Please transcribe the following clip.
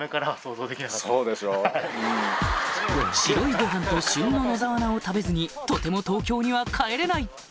白いご飯と旬の野沢菜を食べずにとても東京には帰れない！